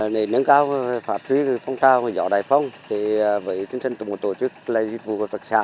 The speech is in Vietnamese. nâng cao phát huy phong trào và gió đại phong với tính sân tục một tổ chức là dịch vụ của tập xã